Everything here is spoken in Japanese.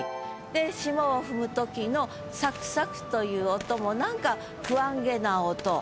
で霜を踏む時のサクサクという音もなんか不安げな音。